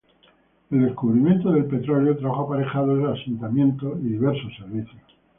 El descubrimiento del petróleo trajo aparejado el asentamiento y diversos servicios.